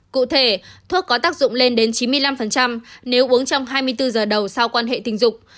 cụ thể thuốc có tác dụng lên đến chín mươi năm nếu uống trong hai mươi bốn giờ đầu sau quan hệ tình dục